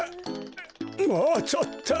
もうちょっと！